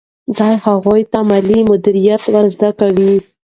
دا هغوی ته مالي مدیریت ور زده کوي.